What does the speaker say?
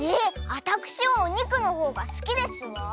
あたくしはおにくのほうがすきですわ。